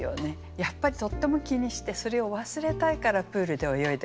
やっぱりとっても気にしてそれを忘れたいからプールで泳いでる。